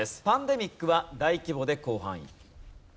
パンデミックは大規模で広範囲。